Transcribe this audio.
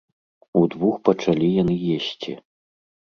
Удвух пачалі яны есці.